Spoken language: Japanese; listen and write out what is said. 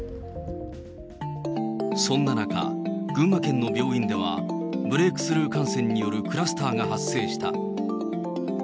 そんな中、群馬県の病院では、ブレークスルー感染によるクラスターが発生した。